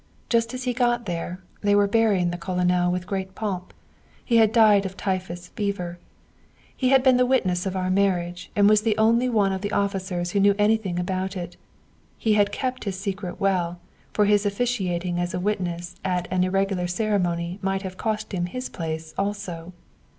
Just as he got there, they were burying the colonel with great pomp. He had died of typhus fever. He had been the witness of our marriage, and was the only one of the officers who knew anything about it. He had kept his secret well, for his officiating as a witness at an irregular ceremony might have cost him his place also.